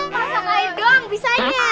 masak air doang bisanya